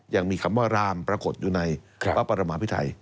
ยังมีคำว่ารามปรากฏอยู่ในพระปรมาพิไทย